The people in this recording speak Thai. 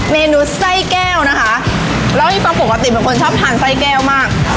เมนูไส้แก้วนะคะเล่าให้ฟังปกติเป็นคนชอบทานไส้แก้วมาก